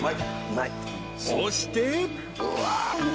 ［そして］